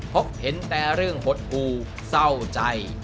พบเห็นแต่เรื่องหดหูเศร้าใจ